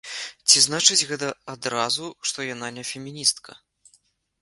Ці значыць гэта адразу, што яна не феміністка?